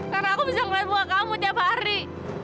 karena aku bisa ngeliat muka kamu tiap hari